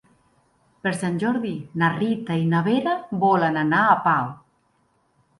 Per Sant Jordi na Rita i na Vera volen anar a Pau.